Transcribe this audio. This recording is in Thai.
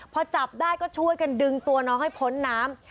พอจับได้ก็ช่วยกันดึงตัวน้องให้พ้นน้ำ